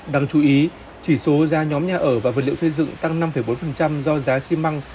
đáng chú ý chỉ số giá nhóm nhà ở và vật liệu xây dựng tăng năm bốn do giá xi măng